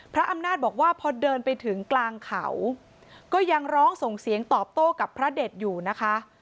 พระอำนาจบอกว่าพอเดินไปถึงกลางเขาก็ยังร้องส่งเสียงตอบโต้กับพระเด็ดอยู่นะคะ